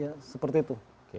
ya seperti itu